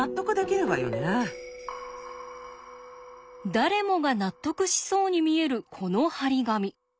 誰もが納得しそうに見えるこの貼り紙。